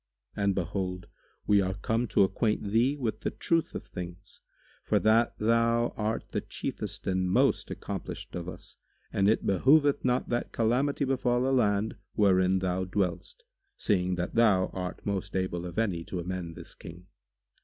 [FN#143] And behold we are come to acquaint thee with the truth of things, for that thou art the chiefest and most accomplished of us and it behoveth not that calamity befal a land wherein thou dwellest, seeing that thou art most able of any to amend this King.